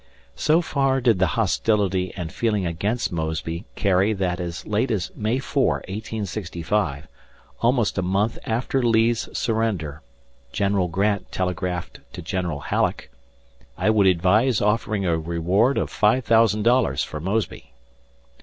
So far did the hostility and feeling against Mosby carry that as late as May 4, 1865, almost a month after Lee's surrender, General Grant telegraphed to General Halleck, "I would advise offering a reward of $5,000 for Mosby."